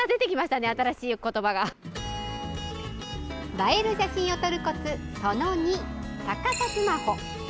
映える写真を撮るコツその２、逆さスマホ。